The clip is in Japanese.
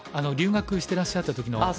留学してらっしゃった時の。